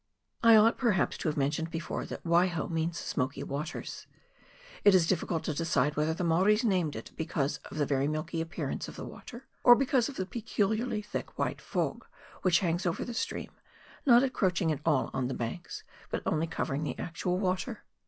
I ought, perhaps, to have mentioned before, that " Waiho" means " smoky waters "; it is difficult to decide whether the Maoris named it because of the very milky appearance of the water, or because of the peculiarly thick white fog which hangs over the stream, not encroaching at all on the banks, but only covering the actual water.